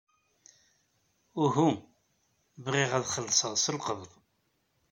Uhu. Bɣiɣ ad xellṣeɣ s lqebḍ.